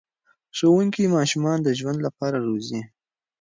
ښوونکي ماشومان د ژوند لپاره روزي.